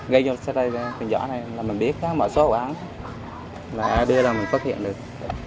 gây vô sổ này là mình biết mọi số quán là đưa ra mình phát hiện được